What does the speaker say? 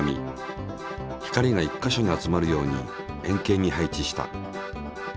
光が１か所に集まるように円形に配置した。